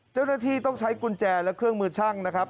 เจ้าหน้าที่ต้องใช้กุญแจและเครื่องมือช่างนะครับ